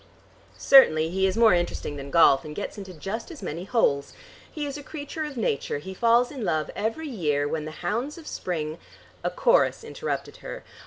"Certainly he is more interesting than golf, and gets into just as many holes. He is a creature of Nature. He falls in love every year, when the hounds of spring " A chorus interrupted her.